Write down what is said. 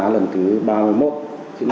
rất thân thiện